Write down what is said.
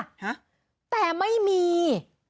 ฮะแต่ไม่มี